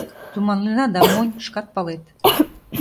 Туманлена да монь, шкат палет...